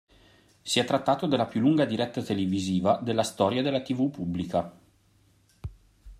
Si è trattato della più lunga diretta televisiva della storia della tv pubblica.